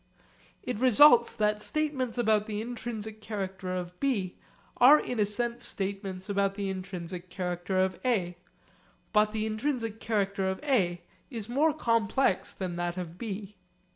It results that statements about the intrinsic character of B are in a sense statements about the intrinsic character of A; but the intrinsic character of A is more complex than that of B.